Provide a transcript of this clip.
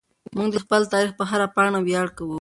موږ د خپل تاریخ په هره پاڼه ویاړ کوو.